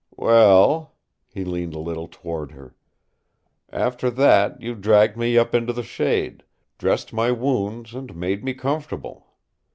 "Well " He leaned a little toward her. "After that you dragged me up into the shade, dressed my wound and made me comfortable.